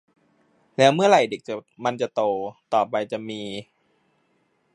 แล้วเมื่อไหร่เด็กมันจะโต ต่อไปจะมี